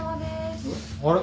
あれ？